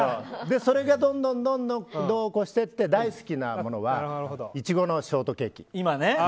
それがどんどんどうこうしていって大好きなものはイチゴのショートケーキ。